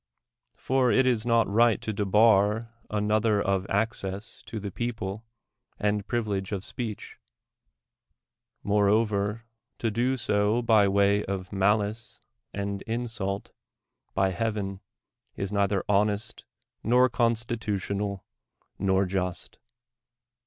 For it is not right to debar another of access to the people and privilege of speech; moreover, to do so by way of malice and insult — by heaven! is neither honest, nor constitutional, nor just.